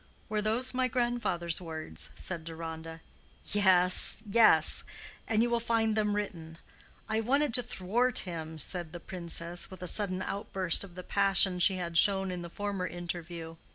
"Were those my grandfather's words?" said Deronda. "Yes, yes; and you will find them written. I wanted to thwart him," said the Princess, with a sudden outburst of the passion she had shown in the former interview.